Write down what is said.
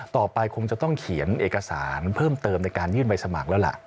คงจะต้องเขียนเอกสารเพิ่มเติมในการยื่นใบสมัครแล้วล่ะ